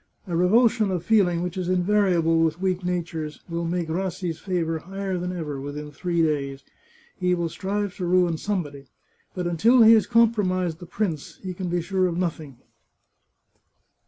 A revulsion of feeling which is invariable with weak natures will make Rassi's favour higher than ever within three days. He will strive to ruin somebody, but until he has compromised the prince, he can be sure of nothing.